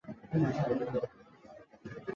不顾大臣的进谏而优待贵族阶层。